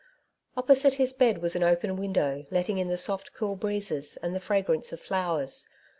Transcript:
Opposite his bed was an open window, letting in the sofl, cool breezes, and the fragfrance of flowers.